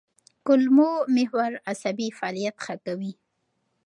کولمو محور عصبي فعالیت ښه کوي.